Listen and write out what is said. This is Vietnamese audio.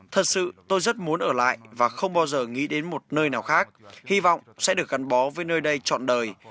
thật sự tôi rất muốn ở lại và không bao giờ nghĩ đến một nơi nào khác hy vọng sẽ được gắn bó với nơi đây chọn đời